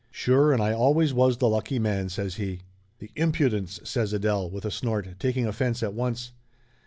"Sure and I always was the lucky man !" says he. "The impudence!" says Adele with a snort, taking offense at once.